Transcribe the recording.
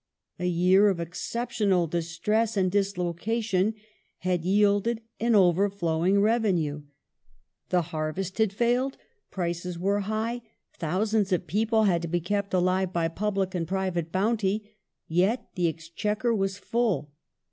A year of excep tional distress and dislocation had yielded an overflowing revenue. The harvest had failed ; prices were high ; thousands of people had to be kept alive by public and private bounty, yet the Exchequer was full.